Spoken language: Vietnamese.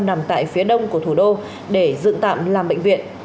nằm tại phía đông của thủ đô để dựng tạm làm bệnh viện